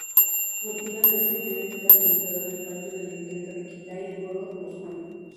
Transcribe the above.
Originalmente, el periódico era publicado en el Patio de la Imprenta de Kitai-gorod, Moscú.